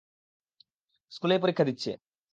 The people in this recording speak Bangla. স্কুলেই, পরীক্ষা দিচ্ছে।